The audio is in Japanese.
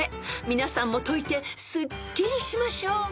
［皆さんも解いてすっきりしましょう］